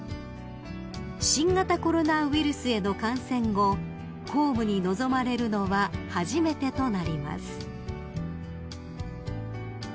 ［新型コロナウイルスへの感染後公務に臨まれるのは初めてとなります］